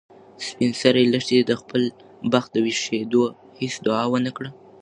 سپین سرې لښتې ته د خپل بخت د ویښېدو هیڅ دعا ونه کړه.